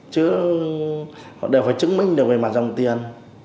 chứ họ đều phải chứng minh được về mặt dòng tiền